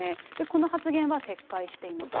この発言は撤回しています。